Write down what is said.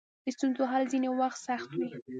د ستونزو حل ځینې وخت سخت وي.